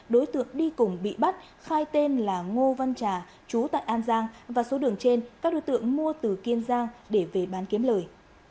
đối tượng đi cùng bị bắt khai tên là ngô văn trà chú tại an giang và số đường trên các đối tượng mua từ kiên giang để về bán kiếm lời